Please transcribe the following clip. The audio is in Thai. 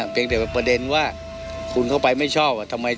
เพียงแต่ประเด็นว่าคุณเข้าไปไม่ชอบ